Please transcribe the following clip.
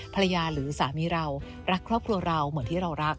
หรือสามีเรารักครอบครัวเราเหมือนที่เรารัก